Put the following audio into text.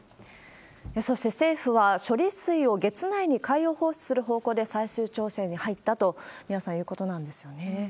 そして、政府は、処理水を月内に海洋放出する方向で最終調整に入ったと、三輪さん、いうことなんですね。